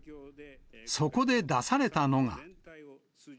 そこで出されたのが。